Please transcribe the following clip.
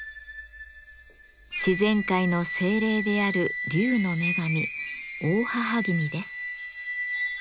自然界の精霊である竜の女神大妣君です。